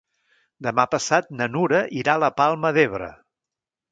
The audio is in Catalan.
Demà passat na Nura irà a la Palma d'Ebre.